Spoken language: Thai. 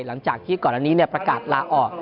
หลังจากที่ก่อนหน้านี้เนี่ยประกาศละออก